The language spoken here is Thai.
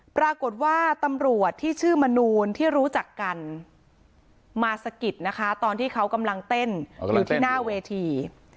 ปรากฏว่าตำรวจที่ชื่อมนูนที่รู้จักกันมาสะกิดนะคะตอนที่เขากำลังเต้นอยู่ที่หน้าเวที